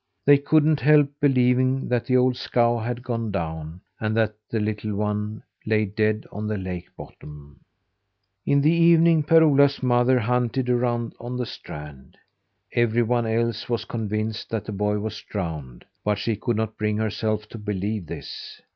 They couldn't help believing that the old scow had gone down, and that the little one lay dead on the lake bottom. In the evening, Per Ola's mother hunted around on the strand. Everyone else was convinced that the boy was drowned, but she could not bring herself to believe this.